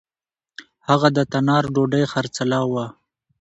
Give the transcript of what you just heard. هغه د تنار ډوډۍ خرڅلاوه. .